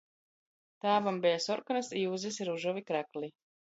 Tāvam beja sorkonys iuzys i ružovi krakli.